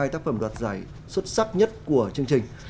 hai tác phẩm đoạt giải xuất sắc nhất của chương trình